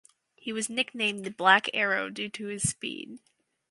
He was nicknamed the "Black Arrow" due to his speed.